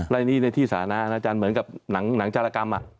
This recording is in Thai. และนี่ในที่สานะนางจักรกรมอะ